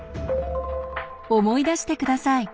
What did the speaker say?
思い出して下さい。